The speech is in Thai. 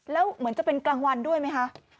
แล้วเหมือนจะเป็นกลางวันด้วยไหมคะ